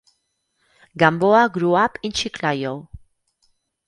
Gamboa grew up in Chiclayo.